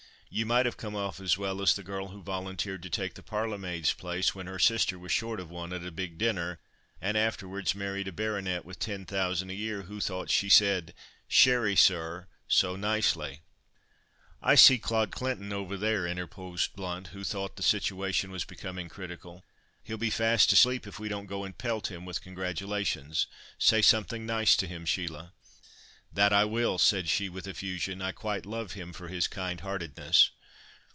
"You might have come off as well as the girl who volunteered to take the parlourmaid's place when her sister was short of one at a big dinner, and afterwards married a baronet with ten thousand a year, who thought she said 'Sherry, sir?' so nicely!" "I see Claude Clinton over there," interposed Blount, who thought the situation was becoming critical. "He'll be fast asleep if we don't go and pelt him with congratulations. Say something nice to him, Sheila!" "That I will," said she, with effusion, "I quite love him for his kind heartedness."